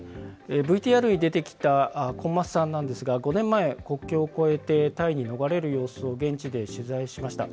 ＶＴＲに出てきたコン・マスさんなんですが、５年前、国境を越えてタイに逃れる様子を現地で取材しました。